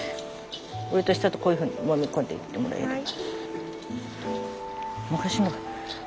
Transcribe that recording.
上と下とこういうふうにもみ込んでいってもらえれば。